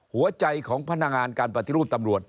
หัวใจของพนักงานการปฏิรูปตำรวจ